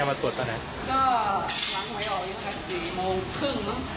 ก็ร้างหัวให้ก่อนครับก็สี่โมงปึ้ง